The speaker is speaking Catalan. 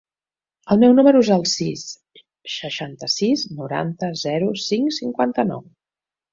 El meu número es el sis, seixanta-sis, noranta, zero, cinc, cinquanta-nou.